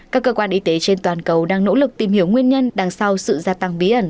các cơ quan y tế trên toàn cầu đang nỗ lực tìm hiểu nguyên nhân đằng sau sự gia tăng bí ẩn